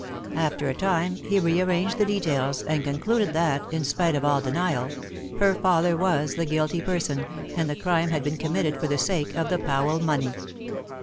After a time he rearranged the details, and concluded that, in spite of all denial, her father was the guilty person, and the crime had been committed for the sake of the Powell money.